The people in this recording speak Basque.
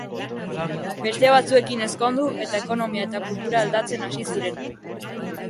Beste batzuekin ezkondu eta ekonomia eta kultura aldatzen hasi ziren.